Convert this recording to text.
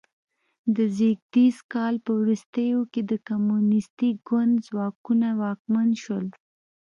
د ز کال په وروستیو کې د کمونیستي ګوند ځواکونه واکمن شول.